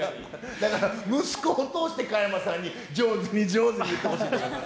だから息子を通して加山さんに、上手に上手に言ってほしいと思います。